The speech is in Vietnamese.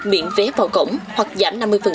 miễn vé vào cổng hoặc giảm năm mươi